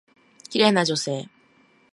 綺麗な女性。